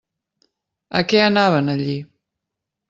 A què anaven allí?